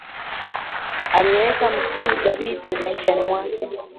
Ameweka msingi dhabiti maishani mwake